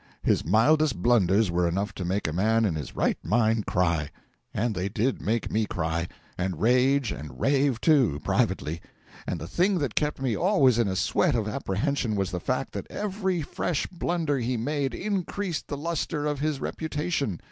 His mildest blunders were enough to make a man in his right mind cry; and they did make me cry and rage and rave too, privately. And the thing that kept me always in a sweat of apprehension was the fact that every fresh blunder he made increased the lustre of his reputation!